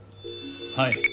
はい。